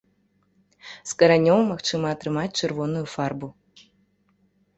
З каранёў магчыма атрымаць чырвоную фарбу.